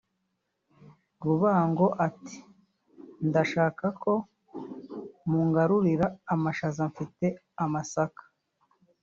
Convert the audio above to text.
" Rubango ati "Ndashaka ko munguranira amashaza mfite amasaka